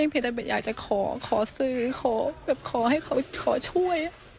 พี่อยากจะขอสื่อขอให้เขาช่วย